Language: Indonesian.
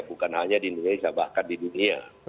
bukan hanya di indonesia bahkan di dunia